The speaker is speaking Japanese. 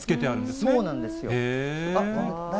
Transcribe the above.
そうなんですよ。